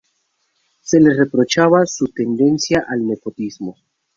Se le reprochaba su tendencia al nepotismo.